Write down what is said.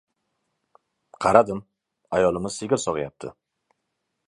Qaradim, ayolimiz sigir sog‘ayapti.